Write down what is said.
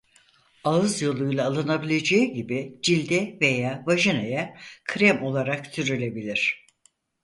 Ağız yoluyla alınabileceği gibi cilde veya vajinaya krem olarak sürülebilir.